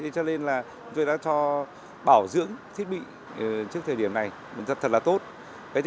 cho nên là tôi đã cho bảo dưỡng thiết bị trước thời điểm này thật là tốt cái thứ hai nữa là bố trí nhân sự bố trí nhân lực đặc biệt